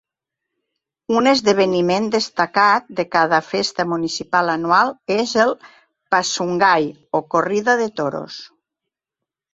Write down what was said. Un esdeveniment destacat de cada festa municipal anual és el "Pasungay", o corrida de toros.